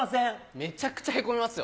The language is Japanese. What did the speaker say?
めちゃくちゃへこみますよ。